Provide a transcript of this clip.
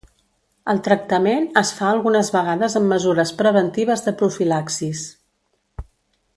El tractament es fa algunes vegades amb mesures preventives de profilaxis.